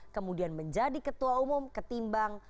kemudian menjadi ketua umum ketimbang